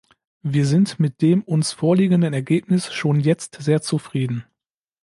Wir sind mit dem uns vorliegenden Ergebnis schon jetzt sehr zufrieden.